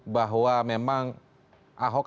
bahwa memang ahok